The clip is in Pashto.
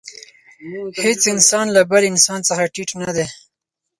هېڅ انسان له بل انسان څخه ټیټ نه دی.